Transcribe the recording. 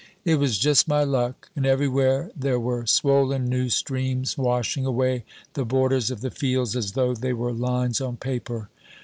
"It was just my luck. And everywhere there were swollen new streams, washing away the borders of the fields as though they were lines on paper.